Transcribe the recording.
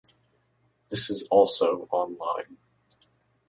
This is also online.